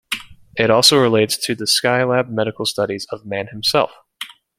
It also relates to the Skylab medical studies of man himself.